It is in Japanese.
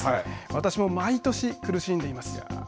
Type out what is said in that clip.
私も毎年、苦しんでいます。